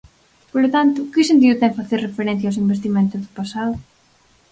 Polo tanto, ¿que sentido ten facer referencia aos investimentos do pasado?